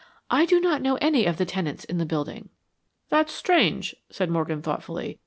"I do not know any of the tenants in the building." "That's strange," said Morgan, thoughtfully.